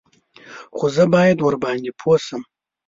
_خو زه بايد ورباندې پوه شم.